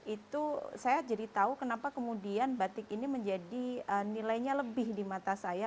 itu saya jadi tahu kenapa kemudian batik ini menjadi nilainya lebih di mata saya